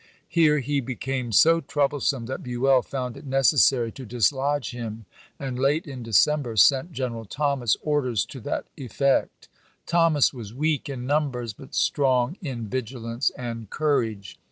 Here he became so troublesome that Buell found it necessary to dislodge him, and late in December sent General Thomas orders to that effect. Thomas was weak in numbers, but strong in vigilance and com*age.